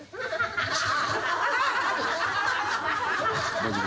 大丈夫？